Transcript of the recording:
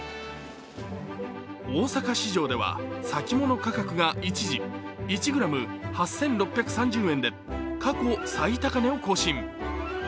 大阪市場では、先物価格が一時１ｇ８６３０円で過去最高値を更新。